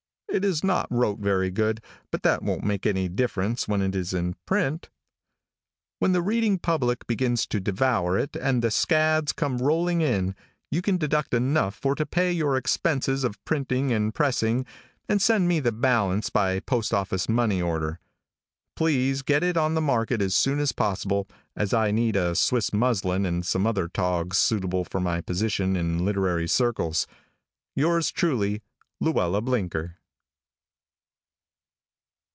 It is not wrote very good, but that won't make any difference when it is in print. When the reading public begins to devour it, and the scads come rolling in, you can deduct enough for to pay your expenses of printing and pressing, and send me the balance by post office money order. Please get it on the market as soon as possible, as I need a Swiss muzzlin and some other togs suitable to my position in liturary circles. Yours truly, Luella Blinker.